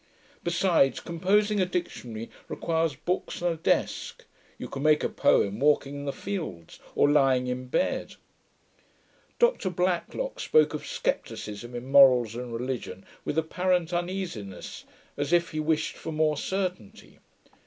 Besides; composing a dictionary requires books and a desk: you can make a poem walking in the fields, or lying in bed.' Dr Blacklock spoke of scepticism in morals and religion, with apparant uneasiness, as if he wished for more certainty.